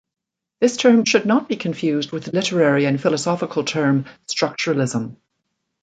This term should not be confused with the literary and philosophical term "structuralism".